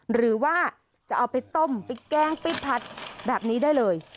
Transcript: หรือว่าจะเอาไปต้มไปแกล้งไปผัดแบบนี้ได้เลย